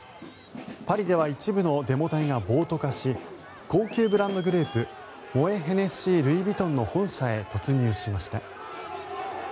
パリでは一部のデモ隊が暴徒化し高級ブランドグループモエ・ヘネシー・ルイ・ヴィトンの本社へ突入しました。